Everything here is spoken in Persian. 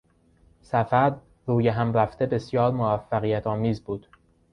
سفر رویهم رفته بسیار موفقیتآمیز بود.